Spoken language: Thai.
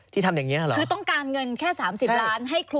ที่ทำอย่างนี้หรอ